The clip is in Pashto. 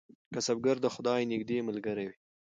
کسبګر د خدای نږدې ملګری وي.